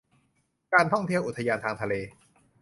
การท่องเที่ยวอุทยานทางทะเล